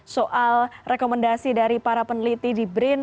soal rekomendasi dari para peneliti di brin